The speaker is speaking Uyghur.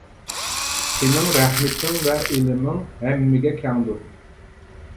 سېنىڭ رەھمىتىڭ ۋە ئىلمىڭ ھەممىگە كەڭدۇر.